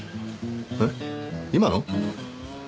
えっ今の？